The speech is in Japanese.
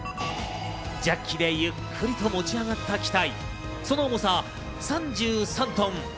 ジャッキでゆっくりと持ち上がった機体、その重さ３３トン。